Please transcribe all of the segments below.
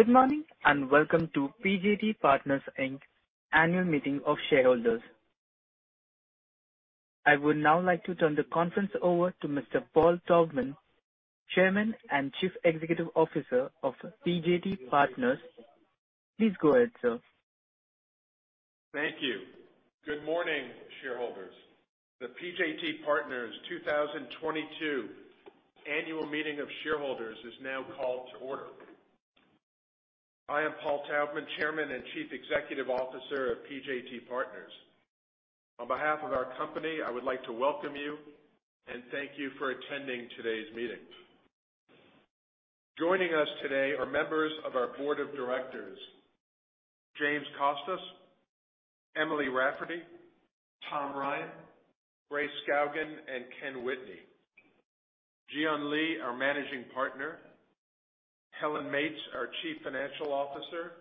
Good morning, and welcome to PJT Partners Inc. annual meeting of shareholders. I would now like to turn the conference over to Mr. Paul Taubman, Chairman and Chief Executive Officer of PJT Partners. Please go ahead, sir. Thank you. Good morning, shareholders. The PJT Partners 2022 annual meeting of shareholders is now called to order. I am Paul Taubman, Chairman and Chief Executive Officer of PJT Partners. On behalf of our company, I would like to welcome you and thank you for attending today's meeting. Joining us today are members of our board of directors, James Costos, Emily Rafferty, Tom Ryan, Ray Skaugen, and Ken Whitney. Ji-Yeun Lee, our Managing Partner. Helen Meates, our Chief Financial Officer.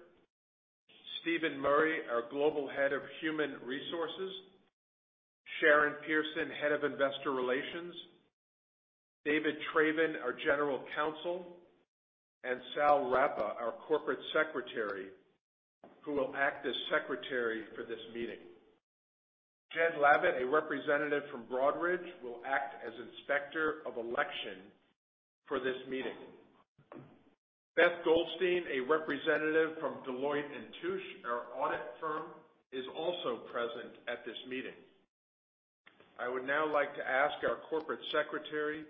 Steven Murray, our Global Head of Human Resources. Sharon Pearson, Head of Investor Relations. David Travin, our General Counsel, and Sal Rappa, our Corporate Secretary, who will act as secretary for this meeting. Jed Lavitt, a representative from Broadridge, will act as Inspector of Election for this meeting. Beth Goldstein, a representative from Deloitte & Touche, our audit firm, is also present at this meeting. I would now like to ask our Corporate Secretary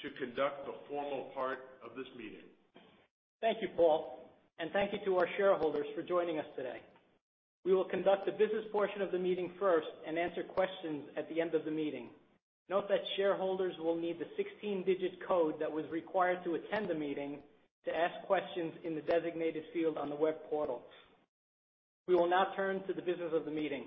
to conduct the formal part of this meeting. Thank you, Paul, and thank you to our shareholders for joining us today. We will conduct the business portion of the meeting first and answer questions at the end of the meeting. Note that shareholders will need the 16-digit code that was required to attend the meeting to ask questions in the designated field on the web portal. We will now turn to the business of the meeting.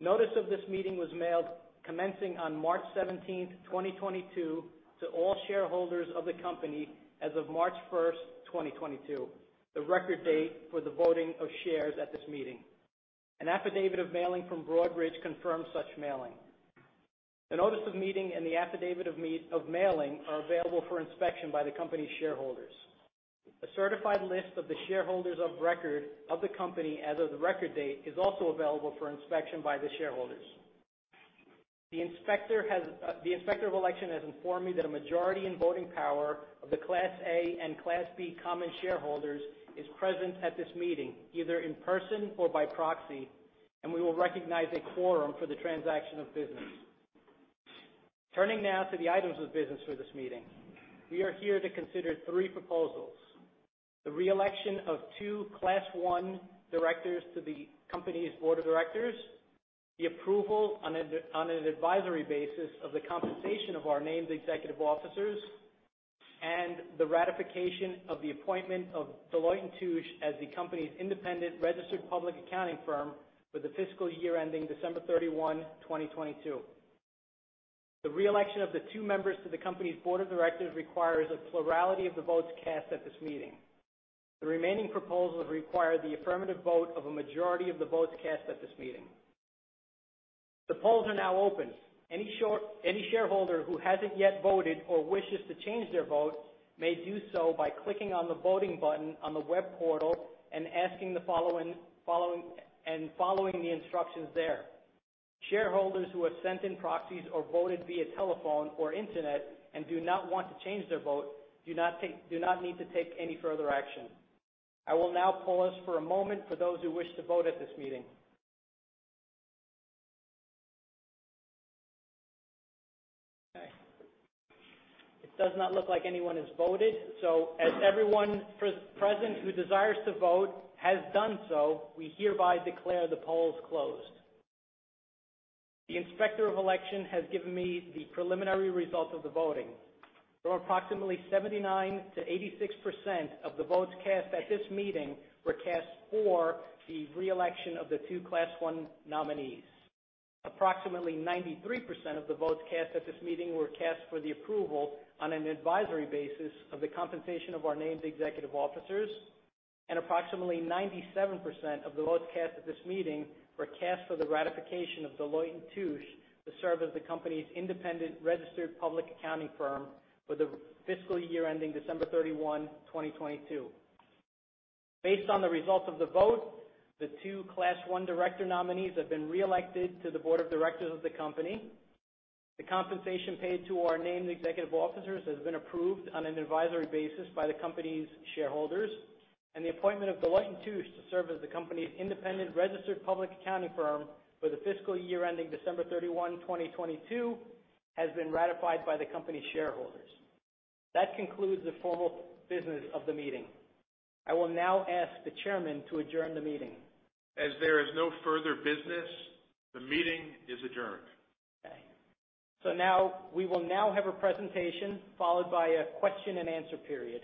Notice of this meeting was mailed commencing on March 17th, 2022, to all shareholders of the company as of March 1st, 2022, the record date for the voting of shares at this meeting. An affidavit of mailing from Broadridge confirms such mailing. The notice of meeting and the affidavit of mailing are available for inspection by the company's shareholders. A certified list of the shareholders of record of the company as of the record date is also available for inspection by the shareholders. The Inspector of Election has informed me that a majority in voting power of the Class A and Class B common shareholders is present at this meeting, either in person or by proxy, and we will recognize a quorum for the transaction of business. Turning now to the items of business for this meeting. We are here to consider three proposals, the re-election of two Class I directors to the company's board of directors, the approval on an advisory basis of the compensation of our named executive officers, and the ratification of the appointment of Deloitte & Touche as the company's independent registered public accounting firm for the fiscal year ending December 31, 2022. The re-election of the two members to the company's board of directors requires a plurality of the votes cast at this meeting. The remaining proposals require the affirmative vote of a majority of the votes cast at this meeting. The polls are now open. Any shareholder who hasn't yet voted or wishes to change their vote may do so by clicking on the voting button on the web portal and following the instructions there. Shareholders who have sent in proxies or voted via telephone or internet and do not want to change their vote do not need to take any further action. I will now pause for a moment for those who wish to vote at this meeting. Okay. It does not look like anyone has voted. As everyone present who desires to vote has done so, we hereby declare the polls closed. The Inspector of Election has given me the preliminary results of the voting. Approximately 79%-86% of the votes cast at this meeting were cast for the re-election of the two Class I nominees. Approximately 93% of the votes cast at this meeting were cast for the approval on an advisory basis of the compensation of our named executive officers. Approximately 97% of the votes cast at this meeting were cast for the ratification of Deloitte & Touche to serve as the company's independent registered public accounting firm for the fiscal year ending December 31, 2022. Based on the results of the vote, the two Class I director nominees have been re-elected to the board of directors of the company. The compensation paid to our named executive officers has been approved on an advisory basis by the company's shareholders. The appointment of Deloitte & Touche to serve as the company's independent registered public accounting firm for the fiscal year ending December 31, 2022, has been ratified by the company's shareholders. That concludes the formal business of the meeting. I will now ask the chairman to adjourn the meeting. As there is no further business, the meeting is adjourned. We will now have a presentation followed by a question-and-answer period.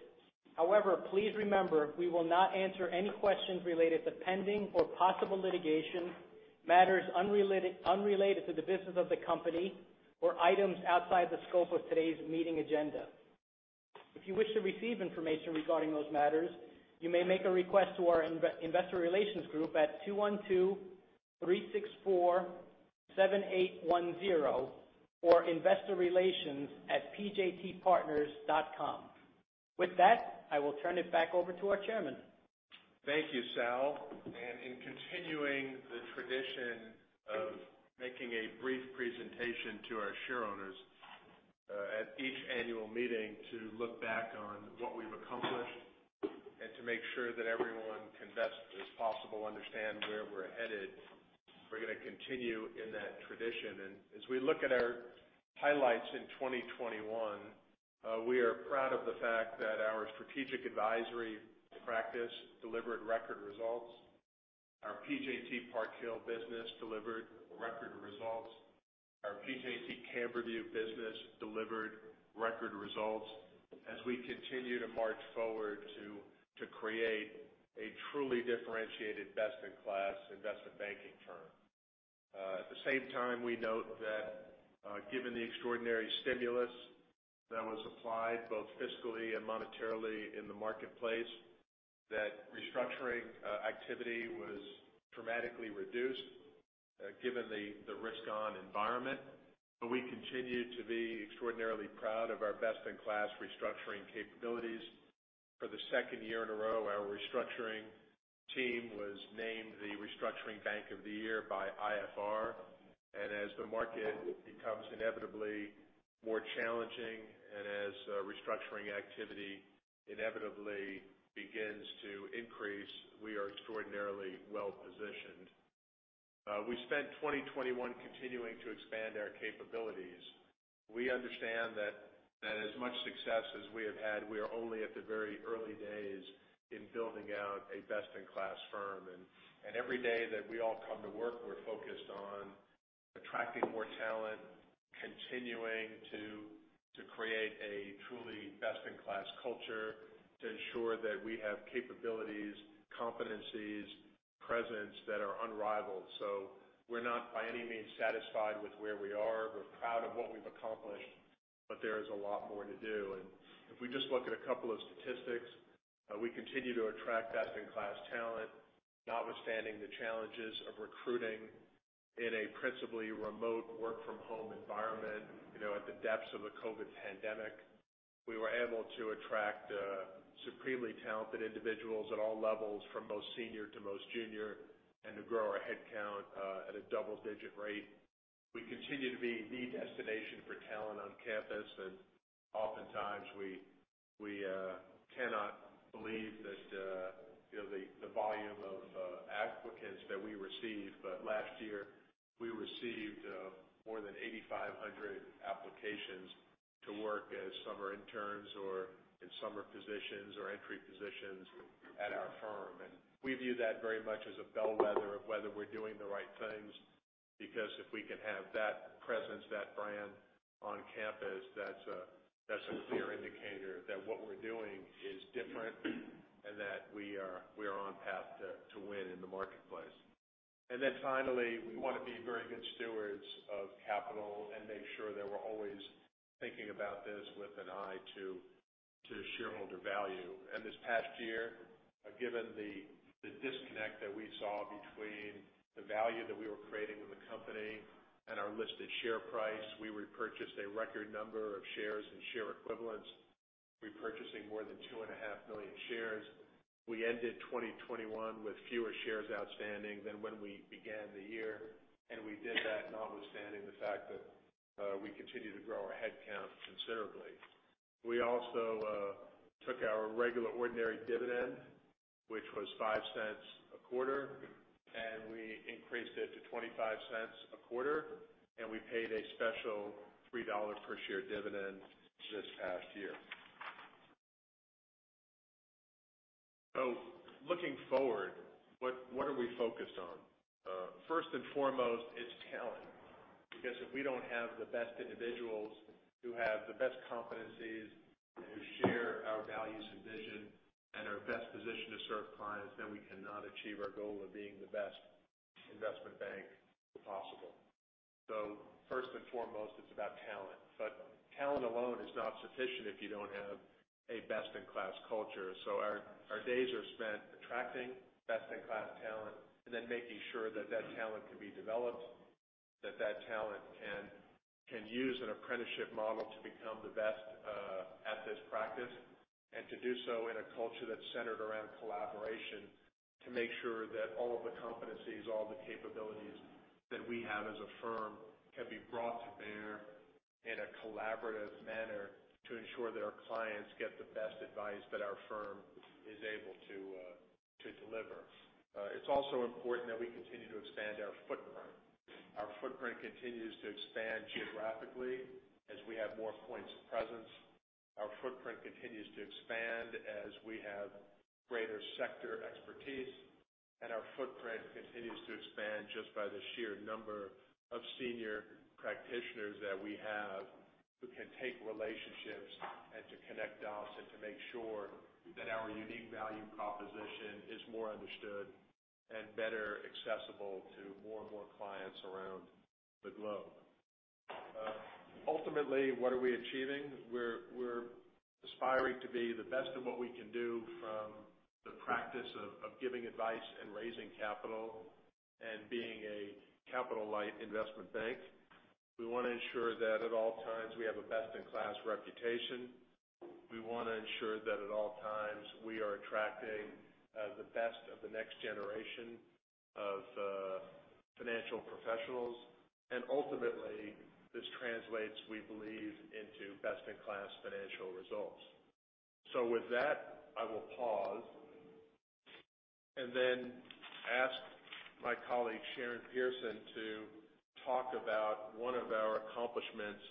However, please remember, we will not answer any questions related to pending or possible litigation, matters unrelated to the business of the company or items outside the scope of today's meeting agenda. If you wish to receive information regarding those matters, you may make a request to our investor relations group at 212-364-7810, or investorrelations@pjtpartners.com. With that, I will turn it back over to our chairman. Thank you, Sal. In continuing the tradition of making a brief presentation to our shareowners at each annual meeting to look back on what we've accomplished and to make sure that everyone can best as possible understand where we're headed, we're gonna continue in that tradition. As we look at our highlights in 2021, we are proud of the fact that our Strategic Advisory practice delivered record results. Our PJT Park Hill business delivered record results. Our PJT Camberview business delivered record results. As we continue to march forward to create a truly differentiated best-in-class investment banking firm. At the same time, we note that, given the extraordinary stimulus that was applied both fiscally and monetarily in the marketplace, that Restructuring activity was dramatically reduced, given the risk-on environment. We continue to be extraordinarily proud of our best-in-class restructuring capabilities. For the second year in a row, our restructuring team was named the Restructuring Advisor of the Year by IFR. As the market becomes inevitably more challenging and as restructuring activity inevitably begins to increase, we are extraordinarily well-positioned. We spent 2021 continuing to expand our capabilities. We understand that as much success as we have had, we are only at the very early days in building out a best-in-class firm. Every day that we all come to work, we're focused on attracting more talent, continuing to create a truly best-in-class culture to ensure that we have capabilities, competencies, presence that are unrivaled. We're not by any means satisfied with where we are. We're proud of what we've accomplished, but there is a lot more to do. If we just look at a couple of statistics, we continue to attract best-in-class talent, notwithstanding the challenges of recruiting in a principally remote work from home environment, you know, at the depths of the COVID pandemic. We were able to attract supremely talented individuals at all levels from most senior to most junior, and to grow our head count at a double-digit rate. We continue to be the destination for talent on campus, and oftentimes we cannot believe just, you know, the volume of applicants that we receive. But last year, we received more than 8,500 applications to work as summer interns or in summer positions or entry positions at our firm. We view that very much as a bellwether of whether we're doing the right things, because if we can have that presence, that brand on campus, that's a clear indicator that what we're doing is different and that we are on path to win in the marketplace. Then finally, we wanna be very good stewards of capital and make sure that we're always thinking about this with an eye to shareholder value. This past year, given the disconnect that we saw between the value that we were creating with the company and our listed share price, we repurchased a record number of shares and share equivalents, repurchasing more than 2.5 million shares. We ended 2021 with fewer shares outstanding than when we began the year, and we did that notwithstanding the fact that we continue to grow our head count considerably. We also took our regular ordinary dividend, which was $0.05 a quarter, and we increased it to $0.25 a quarter, and we paid a special $3 per share dividend this past year. Looking forward, what are we focused on? First and foremost, it's talent, because if we don't have the best individuals who have the best competencies, who share our values and vision and are best positioned to serve clients, then we cannot achieve our goal of being the best investment bank possible. First and foremost, it's about talent. Talent alone is not sufficient if you don't have a best-in-class culture. Our days are spent attracting best-in-class talent and then making sure that talent can be developed, that talent can use an apprenticeship model to become the best at this practice, and to do so in a culture that's centered around collaboration to make sure that all of the competencies, all the capabilities that we have as a firm can be brought to bear in a collaborative manner to ensure that our clients get the best advice that our firm is able to deliver. It's also important that we continue to expand our footprint. Our footprint continues to expand geographically as we have more points of presence. Our footprint continues to expand as we have greater sector expertise, and our footprint continues to expand just by the sheer number of senior practitioners that we have who can take relationships and to connect dots and to make sure that our unique value proposition is more understood and better accessible to more and more clients around the globe. Ultimately, what are we achieving? We're aspiring to be the best of what we can do from the practice of giving advice and raising capital and being a capital-light investment bank. We wanna ensure that at all times we have a best-in-class reputation. We wanna ensure that at all times we are attracting the best of the next generation of financial professionals. Ultimately, this translates, we believe, into best-in-class financial results. With that, I will pause and then ask my colleague, Sharon Pearson, to talk about one of our accomplishments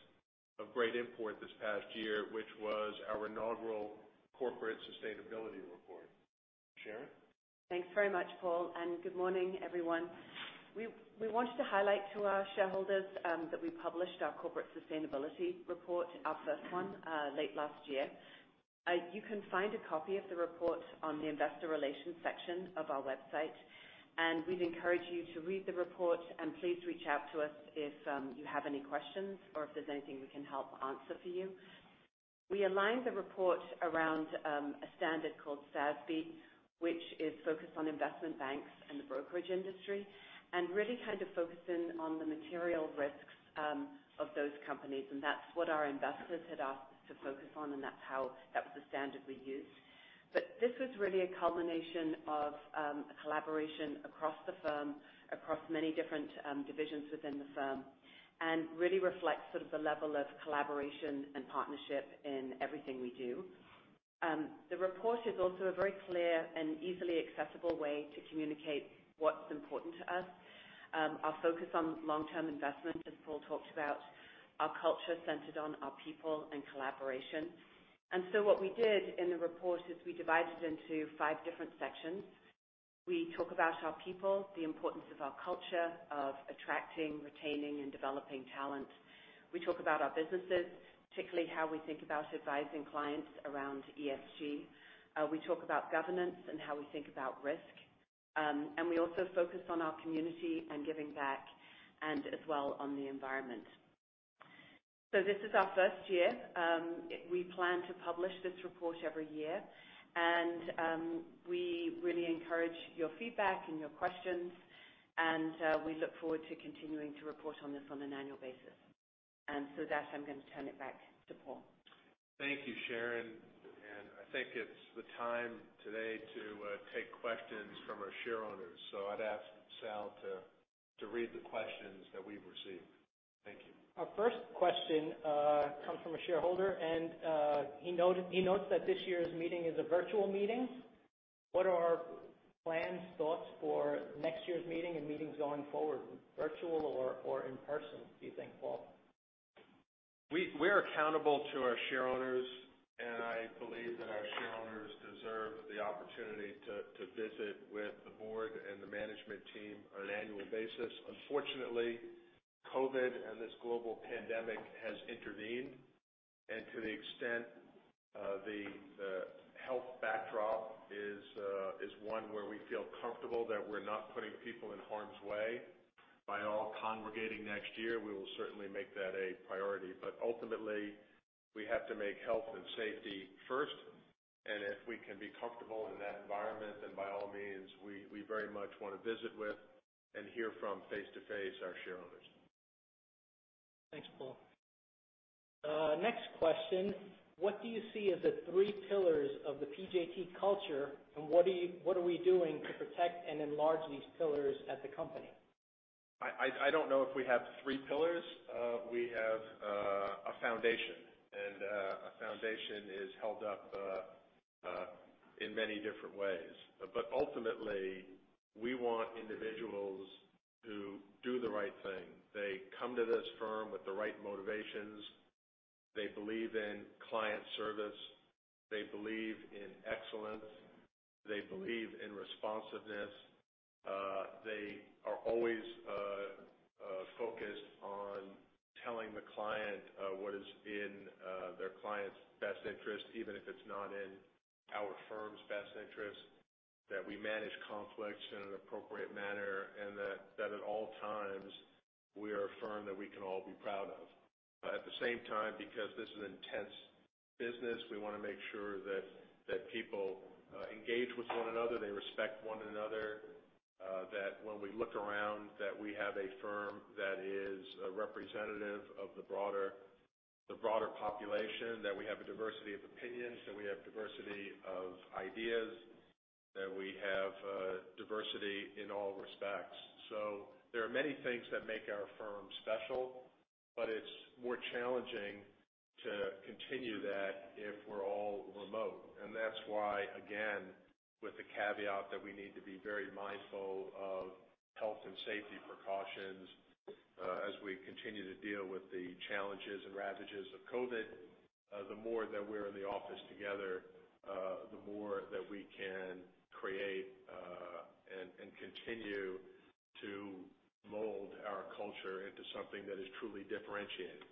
of great import this past year, which was our inaugural corporate sustainability report. Sharon? Thanks very much, Paul, and good morning, everyone. We wanted to highlight to our shareholders that we published our corporate sustainability report, our first one, late last year. You can find a copy of the report on the investor relations section of our website, and we'd encourage you to read the report and please reach out to us if you have any questions or if there's anything we can help answer for you. We aligned the report around a standard called SASB, which is focused on investment banks and the brokerage industry, and really kind of focused in on the material risks of those companies, and that's what our investors had asked us to focus on, and that was the standard we used. This was really a culmination of a collaboration across the firm, across many different divisions within the firm, and really reflects sort of the level of collaboration and partnership in everything we do. The report is also a very clear and easily accessible way to communicate what's important to us. Our focus on long-term investment, as Paul talked about, our culture centered on our people and collaboration. What we did in the report is we divided into five different sections. We talk about our people, the importance of our culture, of attracting, retaining, and developing talent. We talk about our businesses, particularly how we think about advising clients around ESG. We talk about governance and how we think about risk. We also focus on our community and giving back and as well on the environment. This is our first year. We plan to publish this report every year. We really encourage your feedback and your questions, and we look forward to continuing to report on this on an annual basis. With that, I'm gonna turn it back to Paul. Thank you, Sharon. I think it's the time today to take questions from our shareowners. I'd ask Sal to read the questions that we've received. Thank you. Our first question comes from a shareholder, and he notes that this year's meeting is a virtual meeting. What are our plans, thoughts for next year's meeting and meetings going forward, virtual or in person, do you think, Paul? We're accountable to our shareowners, and I believe that our shareowners deserve the opportunity to visit with the board and the management team on an annual basis. Unfortunately, COVID and this global pandemic has intervened. To the extent the health backdrop is one where we feel comfortable that we're not putting people in harm's way by all congregating next year, we will certainly make that a priority. But ultimately, we have to make health and safety first. If we can be comfortable in that environment, then by all means, we very much wanna visit with and hear from face-to-face our shareowners. Thanks, Paul. Next question. What do you see as the three pillars of the PJT culture, and what are we doing to protect and enlarge these pillars at the company? I don't know if we have three pillars. We have a foundation. A foundation is held up in many different ways. Ultimately, we want individuals who do the right thing. They come to this firm with the right motivations. They believe in client service. They believe in excellence. They believe in responsiveness. They are always focused on telling the client what is in their client's best interest, even if it's not in our firm's best interest. That we manage conflicts in an appropriate manner. That at all times, we are a firm that we can all be proud of. At the same time, because this is intense business, we wanna make sure that people engage with one another, they respect one another. That when we look around, that we have a firm that is representative of the broader population. That we have a diversity of opinions, that we have diversity of ideas, that we have diversity in all respects. There are many things that make our firm special, but it's more challenging to continue that if we're all remote. That's why, again, with the caveat that we need to be very mindful of health and safety precautions, as we continue to deal with the challenges and ravages of COVID, the more that we're in the office together, the more that we can create and continue to mold our culture into something that is truly differentiated.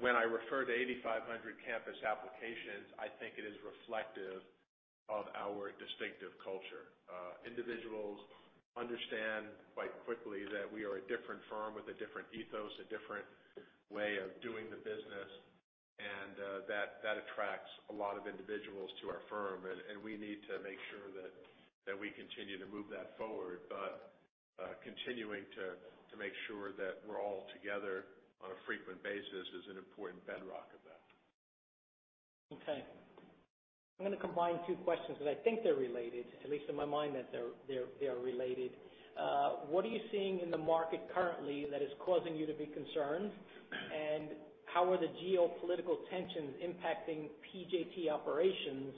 When I refer to 8,500 campus applications, I think it is reflective of our distinctive culture. Individuals understand quite quickly that we are a different firm with a different ethos, a different way of doing business, and that attracts a lot of individuals to our firm. We need to make sure that we continue to move that forward. Continuing to make sure that we're all together on a frequent basis is an important bedrock of that. Okay. I'm gonna combine two questions, 'cause I think they're related, at least in my mind. What are you seeing in the market currently that is causing you to be concerned? How are the geopolitical tensions impacting PJT operations?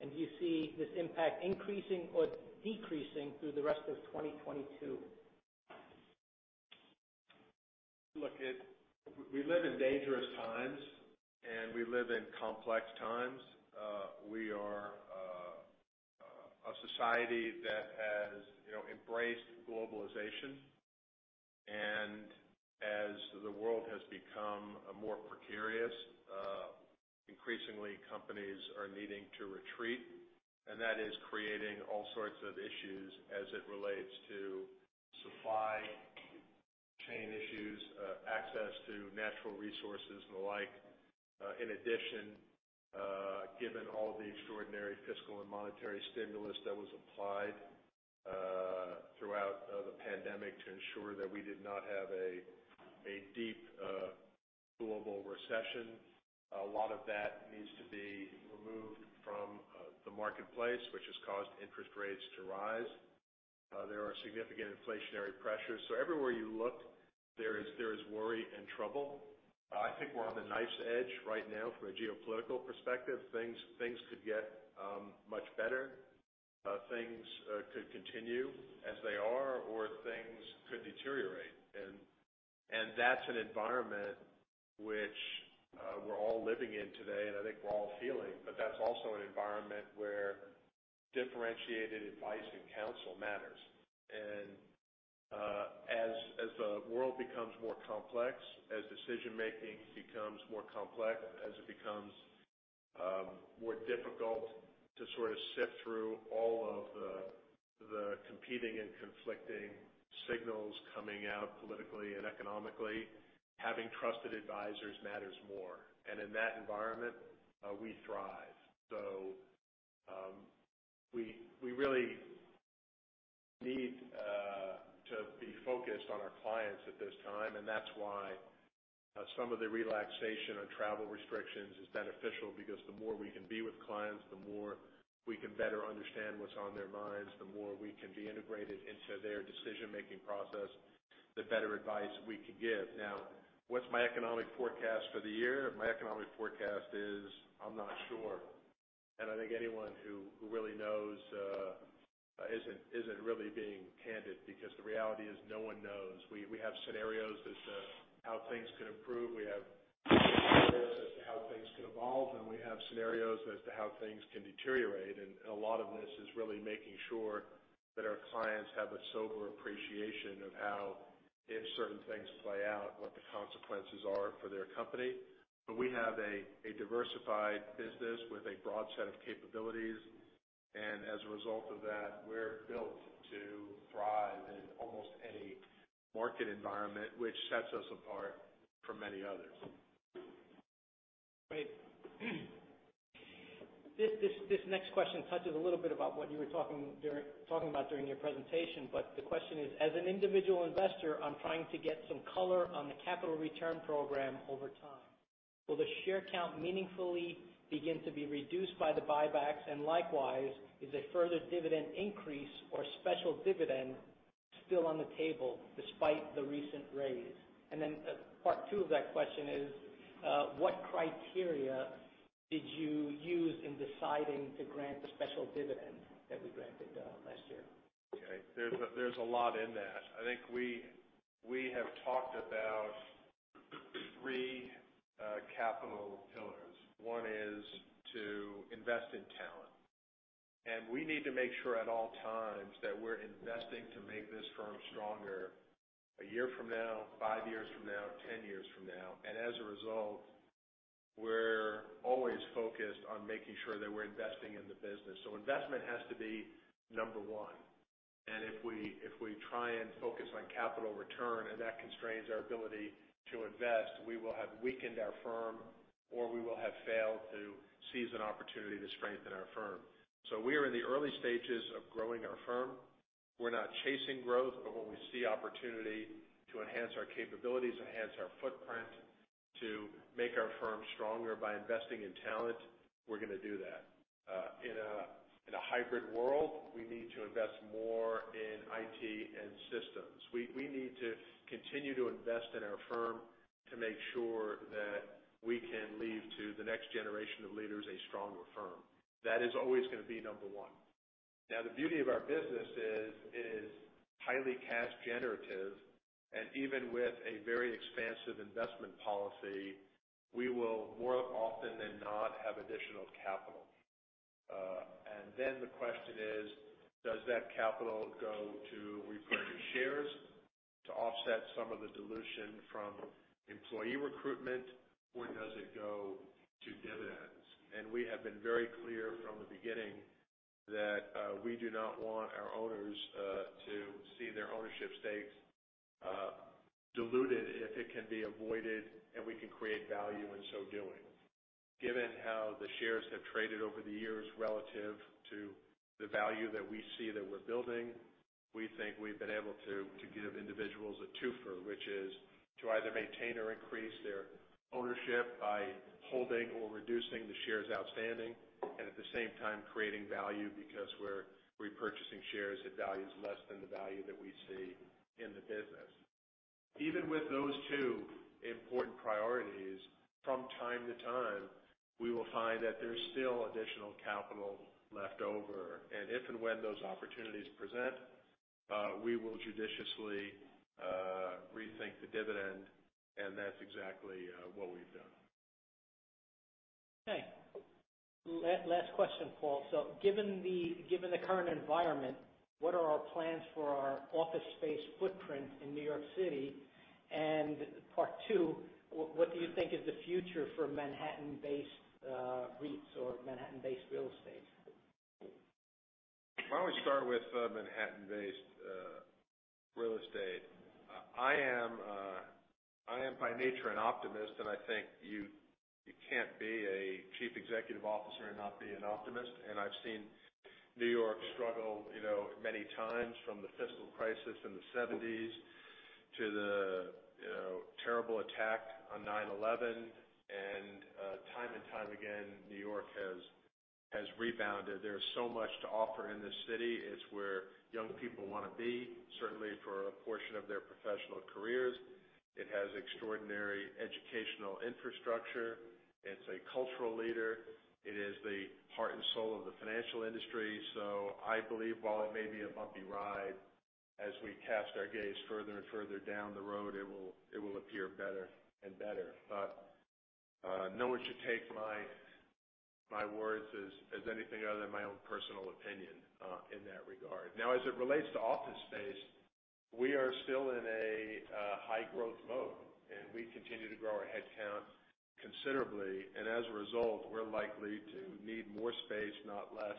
Do you see this impact increasing or decreasing through the rest of 2022? Look, we live in dangerous times, and we live in complex times. We are a society that has, you know, embraced globalization. As the world has become more precarious, increasingly companies are needing to retreat, and that is creating all sorts of issues as it relates to supply chain issues, access to natural resources and the like. In addition, given all the extraordinary fiscal and monetary stimulus that was applied throughout the pandemic to ensure that we did not have a deep global recession, a lot of that needs to be removed from the marketplace, which has caused interest rates to rise. There are significant inflationary pressures. Everywhere you look, there is worry and trouble. I think we're on the knife's edge right now from a geopolitical perspective. Things could get much better. Things could continue as they are, or things could deteriorate. That's an environment which we're all living in today, and I think we're all feeling. That's also an environment where differentiated advice and counsel matters. As the world becomes more complex, as decision-making becomes more complex, as it becomes more difficult to sort of sift through all of the competing and conflicting signals coming out politically and economically, having trusted advisors matters more. In that environment, we thrive. We really need to be focused on our clients at this time. That's why some of the relaxation on travel restrictions is beneficial, because the more we can be with clients, the more we can better understand what's on their minds, the more we can be integrated into their decision-making process, the better advice we can give. Now, what's my economic forecast for the year? My economic forecast is I'm not sure. I think anyone who really knows isn't really being candid, because the reality is no one knows. We have scenarios as to how things could improve. We have scenarios as to how things could evolve, and we have scenarios as to how things can deteriorate. A lot of this is really making sure that our clients have a sober appreciation of how, if certain things play out, what the consequences are for their company. We have a diversified business with a broad set of capabilities. As a result of that, we're built to thrive in almost any market environment, which sets us apart from many others. Great. This next question touches a little bit about what you were talking about during your presentation. The question is: As an individual investor, I'm trying to get some color on the capital return program over time. Will the share count meaningfully begin to be reduced by the buybacks? And likewise, is a further dividend increase or special dividend still on the table despite the recent raise? And then, part two of that question is, what criteria did you use in deciding to grant the special dividend that we granted, last year? Okay. There's a lot in that. I think we have talked about three capital pillars. One is to invest in talent. We need to make sure at all times that we're investing to make this firm stronger a year from now, five years from now, 10 years from now. As a result, we're always focused on making sure that we're investing in the business. Investment has to be number one. If we try and focus on capital return and that constrains our ability to invest, we will have weakened our firm, or we will have failed to seize an opportunity to strengthen our firm. We are in the early stages of growing our firm. We're not chasing growth, but when we see opportunity to enhance our capabilities, enhance our footprint, to make our firm stronger by investing in talent, we're gonna do that. In a hybrid world, we need to invest more in IT and systems. We need to continue to invest in our firm to make sure that we can leave to the next generation of leaders a stronger firm. That is always gonna be number one. Now, the beauty of our business is highly cash generative, and even with a very expansive investment policy, we will more often than not have additional capital. The question is, does that capital go to repurchase shares to offset some of the dilution from employee recruitment, or does it go to dividends? We have been very clear from the beginning that we do not want our owners to see their ownership stakes diluted if it can be avoided and we can create value in so doing. Given how the shares have traded over the years relative to the value that we see that we're building, we think we've been able to give individuals a twofer, which is to either maintain or increase their ownership by holding or reducing the shares outstanding, and at the same time creating value because we're repurchasing shares at values less than the value that we see in the business. Even with those two important priorities, from time to time, we will find that there's still additional capital left over. If and when those opportunities present, we will judiciously rethink the dividend, and that's exactly what we've done. Okay. Last question, Paul. Given the current environment, what are our plans for our office space footprint in New York City? Part two, what do you think is the future for Manhattan-based REITs or Manhattan-based real estate? Why don't we start with Manhattan-based real estate. I am by nature an optimist, and I think you can't be a chief executive officer and not be an optimist. I've seen New York struggle, you know, many times from the fiscal crisis in the seventies to the, you know, terrible attack on 9/11. Time and time again, New York has rebounded. There's so much to offer in this city. It's where young people wanna be, certainly for a portion of their professional careers. It has extraordinary educational infrastructure. It's a cultural leader. It is the heart and soul of the financial industry. I believe while it may be a bumpy ride, as we cast our gaze further and further down the road, it will appear better and better. No one should take my words as anything other than my own personal opinion in that regard. Now, as it relates to office space, we are still in a high growth mode, and we continue to grow our head count considerably. As a result, we're likely to need more space, not less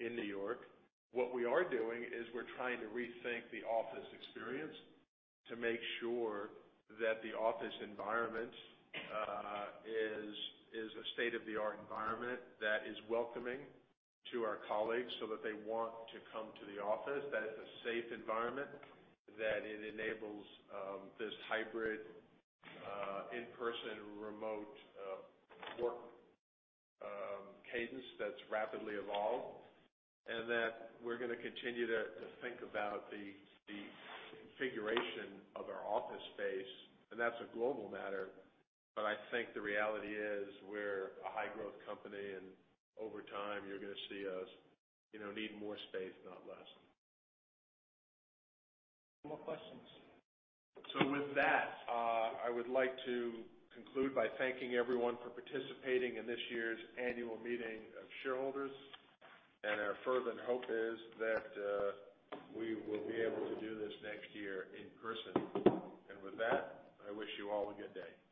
in New York. What we are doing is we're trying to rethink the office experience to make sure that the office environment is a state-of-the-art environment that is welcoming to our colleagues so that they want to come to the office. That it's a safe environment. That it enables this hybrid in-person, remote work cadence that's rapidly evolved. That we're gonna continue to think about the configuration of our office space, and that's a global matter. I think the reality is we're a high-growth company, and over time you're gonna see us, you know, need more space, not less. No more questions. With that, I would like to conclude by thanking everyone for participating in this year's annual meeting of shareholders, and our fervent hope is that we will be able to do this next year in person. With that, I wish you all a good day.